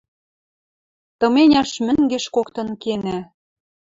Тыменяш мӹнгеш коктын кенӓ.